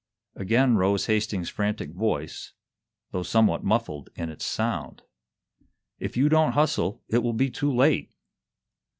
Again rose Hastings's frantic voice, though somewhat muffled in its sound. "If you don't hustle, it will be too late!"